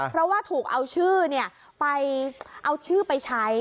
เพราะว่าถูกเอาชื่อไปเอาชื่อไปใช้